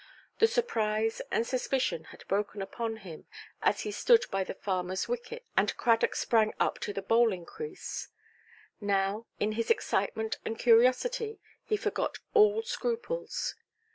The surprise and suspicion had broken upon him, as he stood by the farmerʼs wicket, and Cradock sprang up to the bowling crease; now, in his excitement and curiosity, he forgot all scruples.